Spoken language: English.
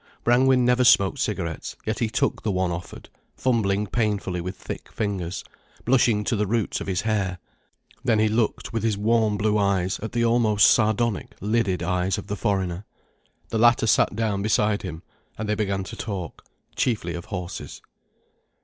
Brangwen never smoked cigarettes, yet he took the one offered, fumbling painfully with thick fingers, blushing to the roots of his hair. Then he looked with his warm blue eyes at the almost sardonic, lidded eyes of the foreigner. The latter sat down beside him, and they began to talk, chiefly of horses.